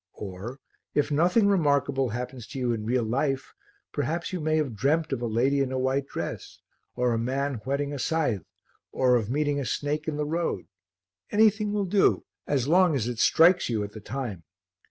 Or, if nothing remarkable happens to you in real life, perhaps you may have dreamt of a lady in a white dress, or of a man whetting a scythe, or of meeting a snake in the road anything will do, so long as it strikes you at the time.